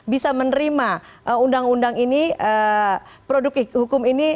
bisa menerima undang undang ini produk hukum ini